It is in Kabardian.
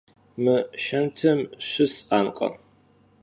Mı şşentım şıs'akhe?